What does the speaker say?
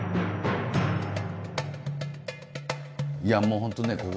いやもう本当ね